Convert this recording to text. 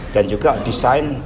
dan juga desain